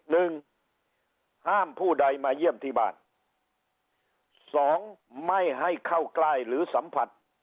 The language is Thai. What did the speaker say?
หนึ่งห้ามผู้ใดมาเยี่ยมที่บ้านสองไม่ให้เข้าใกล้หรือสัมผัส